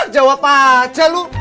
jawab aja lu